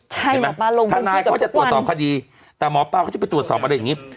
ใช่แบบทนายก็จะตรวจสอบคดีแต่หมอปลาเขาจะไปตรวจสอบอะไรอย่างนี้